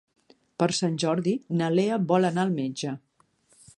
Per Sant Jordi na Lea vol anar al metge.